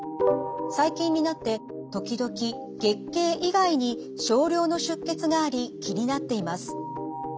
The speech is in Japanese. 最近になって時々月経以外に少量の出血があり気になっています。